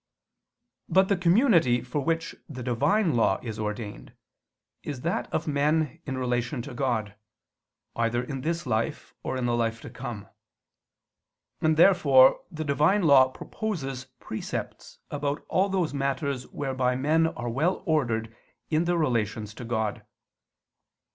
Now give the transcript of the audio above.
But the community for which the Divine law is ordained, is that of men in relation to God, either in this life or in the life to come. And therefore the Divine law proposes precepts about all those matters whereby men are well ordered in their relations to God.